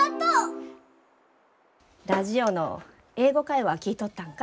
ラジオの「英語会話」聴いとったんか？